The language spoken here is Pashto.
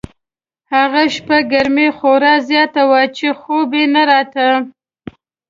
هغه شپه ګرمي خورا زیاته وه چې خوب یې نه راته.